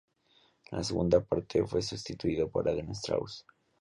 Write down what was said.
En la segunda parte, fue sustituido por Adriaan Strauss.